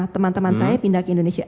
teman teman saya pindah ke indonesia